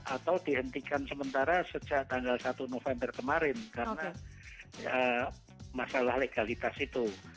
atau dihentikan sementara sejak tanggal satu november kemarin karena masalah legalitas itu